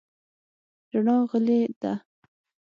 رڼا غلې ده .